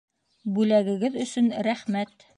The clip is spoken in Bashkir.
Бүләгегеҙ өсөн рәхмәт!